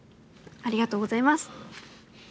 ありがとうございます。